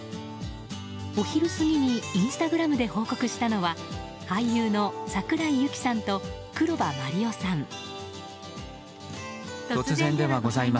お昼過ぎにインスタグラムで報告したのは俳優の桜井ユキさんと黒羽麻璃央さん。